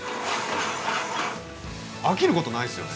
飽きることないですよね。